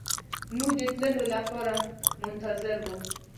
موږ د تللو لپاره منتظر وو.